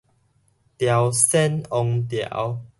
朝鮮王朝